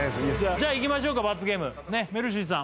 じゃあいきましょうか罰ゲームめるしさん